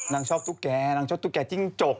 นางชอบตุ๊กแก่นางชอบตุ๊กแก่จิ้งจก